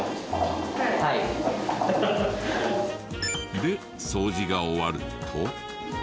で掃除が終わると。